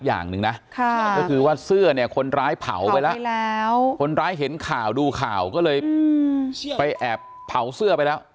อย่างหนึ่งนะก็คือว่าเสื้อเนี่ยคนร้ายเผาไปแล้วคนร้ายเห็นข่าวดูข่าวก็เลยไปแอบเผาเสื้อไปแล้ว